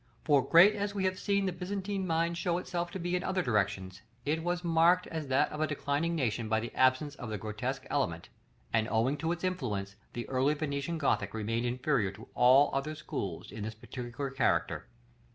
For, great as we have seen the Byzantine mind show itself to be in other directions, it was marked as that of a declining nation by the absence of the grotesque element; and, owing to its influence, the early Venetian Gothic remained inferior to all other schools in this particular character.